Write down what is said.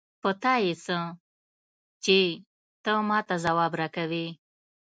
په تا يې څه؛ چې ته ما ته ځواب راکوې.